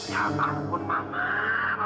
ya ampun mama